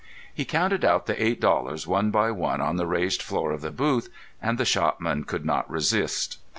He counted out the eight dollars one by one on the raised floor of the booth, and the shopman could not resist.